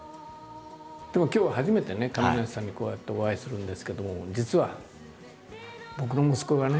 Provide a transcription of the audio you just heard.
でも今日は初めてね亀梨さんにこうやってお会いするんですけども実は僕の息子がね